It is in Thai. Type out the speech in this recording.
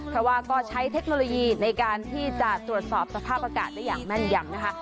เพราะว่าก็ใช้เทคโนโลยีในการที่จะตรวจสอบสภาพอากาศได้อย่างแม่นยำนะคะ